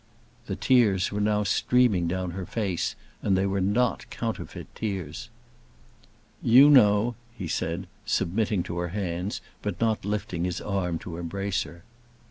The tears were now streaming down her face, and they were not counterfeit tears. "You know," he said, submitting to her hands, but not lifting his arm to embrace her.